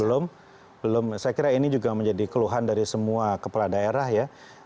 belum belum saya kira ini juga menjadi keluhan dari semua kepala daerah ya